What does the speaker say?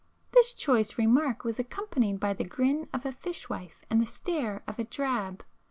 This choice remark was accompanied by the grin of a fishwife and the stare of a drab.